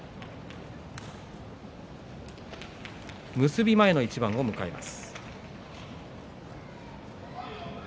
結び前の一番を迎えます。